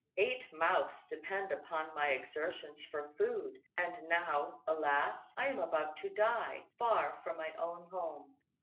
Eight mouths depend upon my exertions for food; and now, alas! I am about to die, far from my own home.